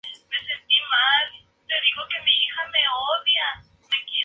Considerando eso, Trinidad lo cambió al colegio de los Jesuitas.